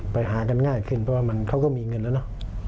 ไปหากันง่ายขึ้นเพราะว่าเขาก็มีเงินแล้วเนอะ